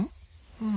うん。